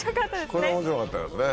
これは面白かったですね